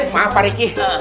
maaf pak riki